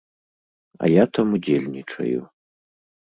А я там удзельнічаю.